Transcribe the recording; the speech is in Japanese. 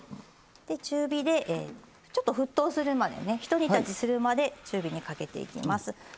で中火でちょっと沸騰するまでね一煮立ちするまで中火にかけていきます。